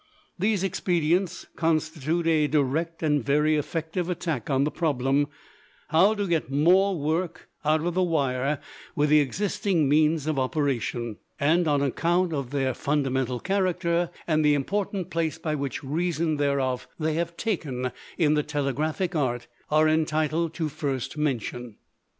These expedients constitute a direct and very effective attack on the problem how to get more work out of the wire with the existing means of operation, and on account of their fundamental character and the important place which by reason thereof they have taken in the telegraphic art, are entitled to first mention.